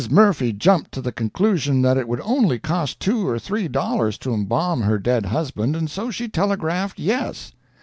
Murphy jumped to the conclusion that it would only cost two or three dollars to embalm her dead husband, and so she telegraphed "Yes."